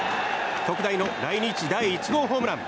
特大の来日第１号ホームラン。